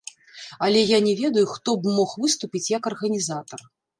Але я не ведаю, хто б мог выступіць як арганізатар.